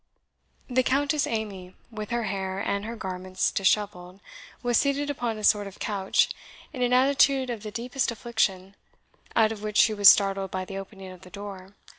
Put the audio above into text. The Countess Amy, with her hair and her garments dishevelled, was seated upon a sort of couch, in an attitude of the deepest affliction, out of which she was startled by the opening of the door.